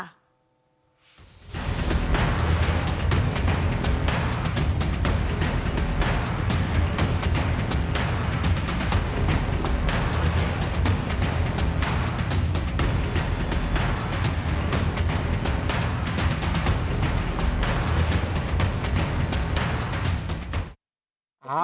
อืมดูใจเหมือนกัน